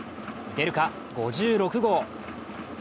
出るか、５６号。